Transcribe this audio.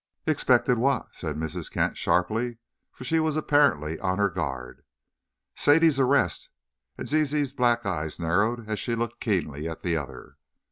"Expected what?" said Mrs. Kent, sharply, for she was apparently on her guard. "Sadie's arrest," and Zizi's black eyes narrowed as she looked keenly at the other.